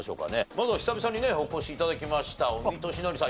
まずは久々にねお越し頂きました尾美としのりさん。